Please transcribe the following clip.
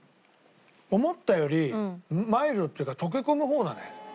思ったよりマイルドっていうか溶け込む方だね。